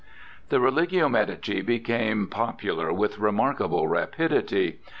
The Religio Medici became popular with remarkable rapidity.